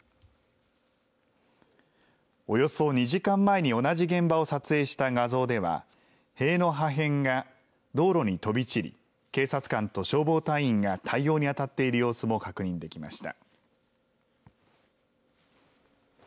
およそ２時間前に同じ現場を撮影した画像では、塀の破片が道路に飛び散り、警察官と消防隊員が対応に当たっている様子も確認できました。